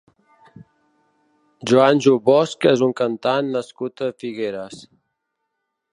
Joanjo Bosk és un cantant nascut a Figueres.